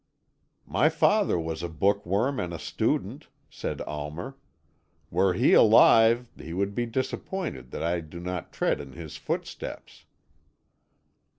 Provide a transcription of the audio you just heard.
"My father was a bookworm and a student," said Almer. "Were he alive, he would be disappointed that I do not tread in his footsteps."